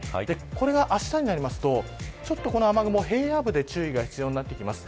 これが、あしたになりますとちょっとこの雨雲平野部で注意が必要になってきます。